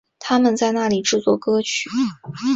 他们在那里制作歌曲。